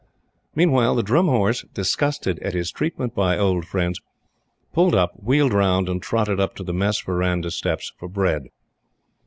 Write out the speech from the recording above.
Meantime, the Drum Horse, disgusted at his treatment by old friends, pulled up, wheeled round, and trotted up to the Mess verandah steps for bread.